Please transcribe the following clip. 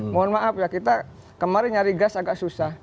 mohon maaf ya kita kemarin nyari gas agak susah